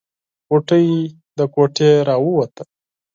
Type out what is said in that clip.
غوټۍ له کوټې راووته.